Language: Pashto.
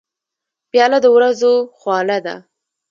پیاله د ورځو خواله ده.